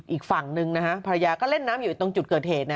อีกฝั่งหนึ่งนะฮะภรรยาก็เล่นน้ำอยู่ตรงจุดเกิดเหตุ